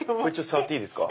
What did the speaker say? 触っていいですか？